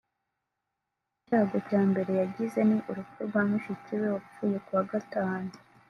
Icyago cya mbere yagize ni urupfu rwa mushiki we wapfuye kuwa Gatanu